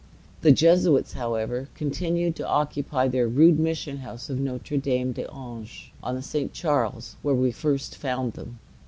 The Jesuits, however, continued to occupy their rude mission house of Notre Dame des Anges, on the St. Charles, where we first found them.